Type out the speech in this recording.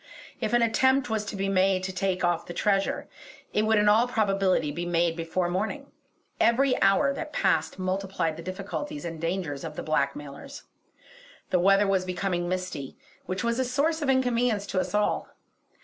If an attempt was to be made to take off the treasure, it would in all probability be made before morning; every hour that passed multiplied the difficulties and dangers of the blackmailers. The weather was becoming misty, which was a source of inconvenience to us all.